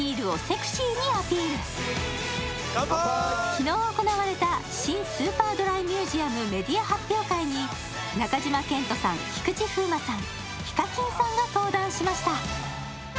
昨日、行われた新スーパードライミュージアムメディア発表会に中島健人さん、菊池風磨さん、ＨＩＫＡＫＩＮさんが登壇しました。